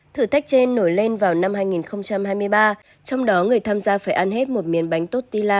thử thách trên nổi lên vào năm hai nghìn hai mươi ba trong đó người tham gia phải ăn hết một miếng bánh tốt tila